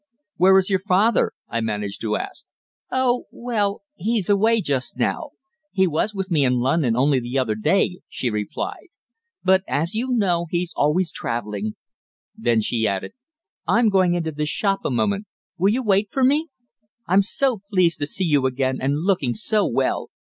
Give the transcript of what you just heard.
"Where is your father?" I managed to ask. "Oh! well, he's away just now. He was with me in London only the other day," she replied. "But, as you know, he's always travelling." Then she added: "I'm going into this shop a moment. Will you wait for me? I'm so pleased to see you again, and looking so well.